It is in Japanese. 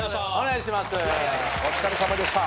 お疲れさまでした。